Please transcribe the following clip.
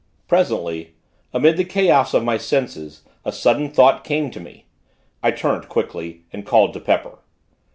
Presently, amid the chaos of my senses, a sudden thought came to me; I turned, quickly, and called to Pepper.